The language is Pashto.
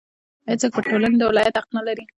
هېڅوک پر ټولنې د ولایت حق نه لري.